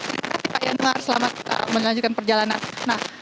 terima kasih pak yanmar selamat melanjutkan perjalanan